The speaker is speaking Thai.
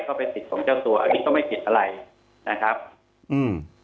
ก็เป็นสิทธิ์ของเจ้าตัวอันนี้ก็ไม่ผิดอะไรนะครับอืม